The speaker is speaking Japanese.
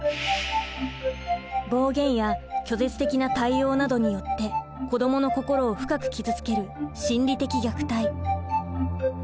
暴言や拒絶的な対応などによって子どもの心を深く傷つける心理的虐待。